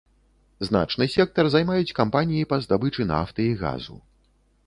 Значны сектар займаюць кампаніі па здабычы нафты і газу.